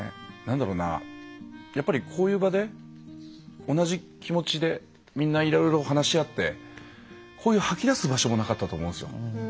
こういう場で同じ気持ちでみんな、いろいろ話し合ってこういう吐き出す場所がなかったと思うんですよ